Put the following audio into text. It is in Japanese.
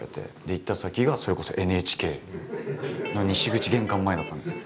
行った先がそれこそＮＨＫの西口玄関前だったんですよ。